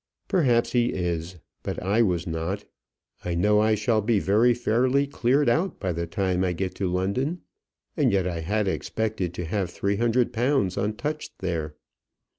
"Perhaps he is. But I was not. I know I shall be very fairly cleared out by the time I get to London; and yet I had expected to have three hundred pounds untouched there."